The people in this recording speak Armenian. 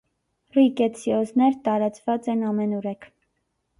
Ռիկետսիոզներ տաոածված են ամենուրեք։